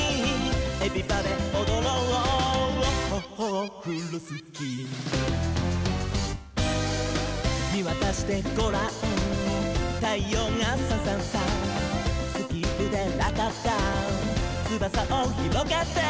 「エビバデおどろうオッホッホオフロスキー」「みわたしてごらんたいようがサンサンサン」「スキップでラタッターつばさをひろげて」